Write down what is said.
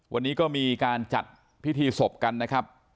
วันนี้ก็มีการจัดพิธีศพกันนะครับ